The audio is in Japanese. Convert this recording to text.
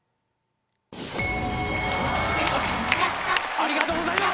ありがとうございます！